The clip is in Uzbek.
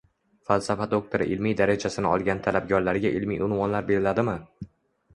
Falsafa doktori ilmiy darajasini olgan talabgorlarga ilmiy unvonlar beriladimi?